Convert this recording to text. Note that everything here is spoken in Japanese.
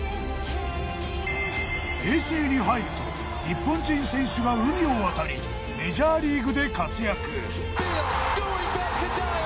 平成に入ると日本人選手が海を渡りメジャーリーグで活躍。